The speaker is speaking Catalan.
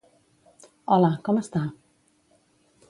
Hola, com està?